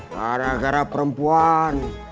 karena gara perempuan